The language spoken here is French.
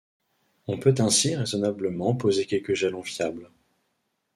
On peut ainsi raisonnablement poser quelques jalons fiables.